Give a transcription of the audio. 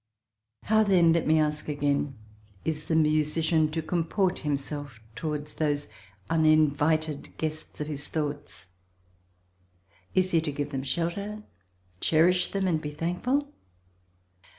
How, then, let me ask again, is the musician to comport himself towards those uninvited guests of his thoughts? Is he to give them shelter, cherish them, and be thankful?